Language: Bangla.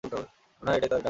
মনেহয় এটাই তাদের ডাকনাম।